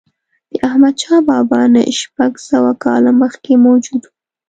د احمدشاه بابا نه شپږ سوه کاله مخکې موجود و.